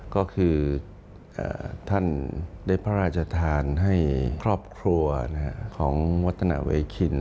ก็คือท่านได้พระราชทานให้ครอบครัวของวัฒนาเวคิน